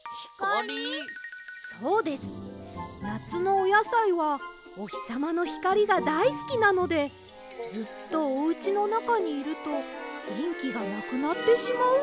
なつのおやさいはおひさまのひかりがだいすきなのでずっとおうちのなかにいるとげんきがなくなってしまうんです。